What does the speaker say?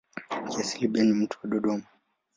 Kiasili Ben ni mtu wa Dodoma.